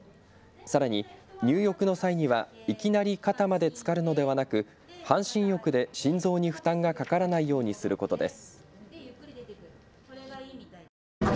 さらに入浴の際にはいきなり肩までつかるのではなく半身浴で心臓に負担がかからないようにすることです。